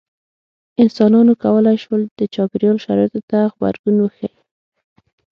انسانانو کولی شول د چاپېریال شرایطو ته غبرګون وښيي.